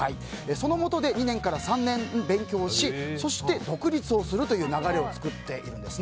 そのもとで、２年から３年勉強しそして独立をするという流れを作っているんです。